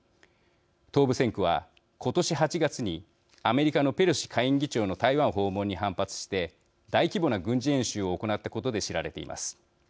東部戦区は、今年８月にアメリカのペロシ下院議長の台湾訪問に反発して大規模な軍事演習を行ったことで知られています。